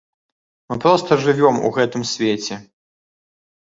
Мы проста жывём у гэтым свеце.